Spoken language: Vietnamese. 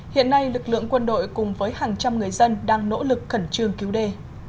hiện nay lực lượng quân đội cùng với hàng trăm người dân đang nỗ lực khẩn trương cứu đê